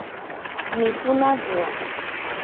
Mi puna du a?